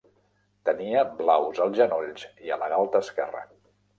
Tenia blaus als genolls i a la galta esquerra.